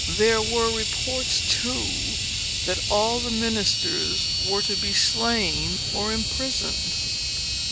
There were reports, too, that all the ministers were to be slain or imprisoned."